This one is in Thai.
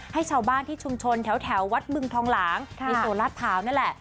ให้ชาวบ้านที่ชุมชนแถววัดมึงทองหลางที่โสลาภาวน์นั่นแหละ